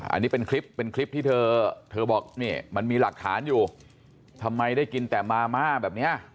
อันนี้เป็นคลิปที่เธอบอกมันมีหลักฐานอยู่ทำไมได้กินแต่มาม่าแบบนี้